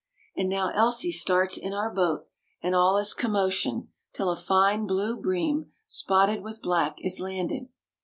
And now Elsie starts in our boat; and all is commotion, till a fine blue bream, spotted with black, is landed.